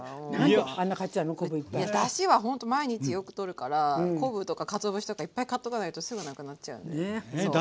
だしはほんと毎日よく取るから昆布とかかつお節とかいっぱい買っとかないとすぐなくなっちゃうんでそう。